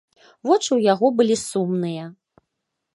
Вочы ў яго былі сумныя.